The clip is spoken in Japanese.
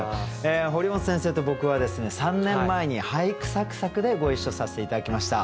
堀本先生と僕はですね３年前に「俳句さく咲く！」でご一緒させて頂きました。